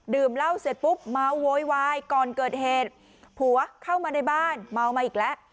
เหล้าเสร็จปุ๊บเมาโวยวายก่อนเกิดเหตุผัวเข้ามาในบ้านเมามาอีกแล้ว